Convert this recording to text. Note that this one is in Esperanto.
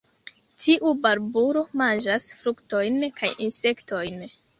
Tiu barbulo manĝas fruktojn kaj insektojn.